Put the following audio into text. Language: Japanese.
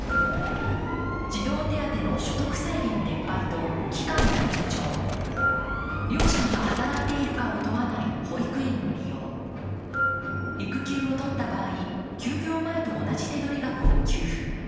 児童手当の所得制限撤廃と期間の延長、両親が働いているかを問わない保育園の利用、育休を取った場合、休業前と同じ手取額を給付。